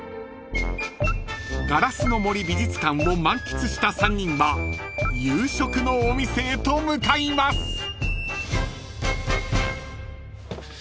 ［ガラスの森美術館を満喫した３人は夕食のお店へと向かいます］